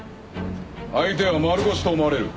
相手は丸腰と思われる。